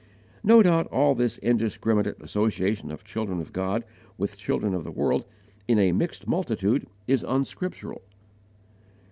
No doubt all this indiscriminate association of children of God with children of the world in a "mixed multitude" is unscriptural.